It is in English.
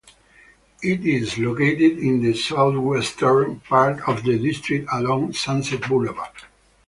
It is located in the southwestern part of the district along Sunset Boulevard.